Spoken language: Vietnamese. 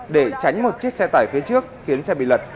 để tránh một chiếc xe tải phía trước khiến xe bị lật